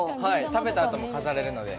食べたあとも飾れるので。